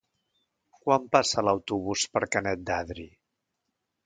Quan passa l'autobús per Canet d'Adri?